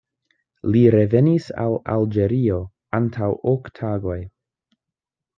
Li revenis el Alĝerio antaŭ ok tagoj.